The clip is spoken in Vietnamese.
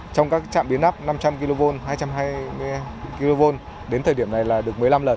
trong các trạm biến nắp năm trăm linh kv hai trăm hai mươi kv đến thời điểm này là được một mươi năm lần